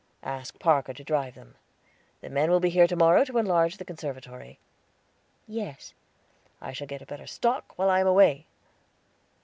Ask Parker to drive them. The men will be here to morrow to enlarge the conservatory." "Yes." "I shall get a better stock while I am away."